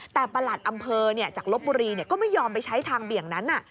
แต่ประหลัดอำเภอจากลบบุรีก็ไม่ยอมไปใช้ทางเบี่ยงนั้น